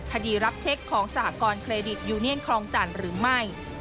รับเช็คของสหกรณเครดิตยูเนียนคลองจันทร์หรือไม่